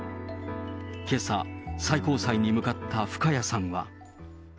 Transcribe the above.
けさ、最高裁に向かった深谷さんは。